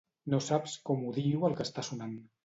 No saps com odio el que està sonant.